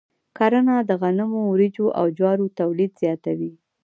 کرنه د غنمو، وريجو، او جوارو تولید زیاتوي.